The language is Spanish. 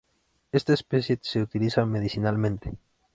Esta especie se utiliza medicinalmente.